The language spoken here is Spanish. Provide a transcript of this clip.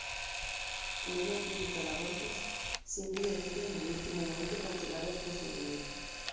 En una clínica de abortos, Cindy decide en el último momento cancelar el procedimiento.